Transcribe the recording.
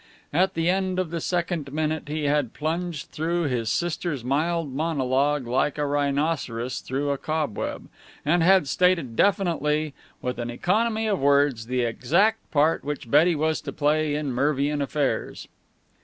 At the end of the second minute he had plunged through his sister's mild monologue like a rhinoceros through a cobweb, and had stated definitely, with an economy of words, the exact part which Betty was to play in Mervian affairs.